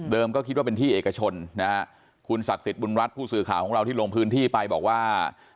ก็คิดว่าเป็นที่เอกชนนะฮะคุณศักดิ์สิทธิบุญรัฐผู้สื่อข่าวของเราที่ลงพื้นที่ไปบอกว่า